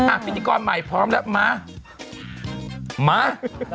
พิธีกรใหม่พร้อมแล้วมามา